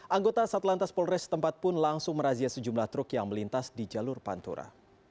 anggota satlantas polres tempat pun langsung merazia sejumlah truk yang melintas di jalur pantura